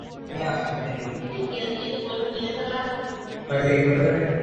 ইসহাক সাহেব হাসিমুখে বললেন, গল্পগুজব করার জন্যে ডেকেছি।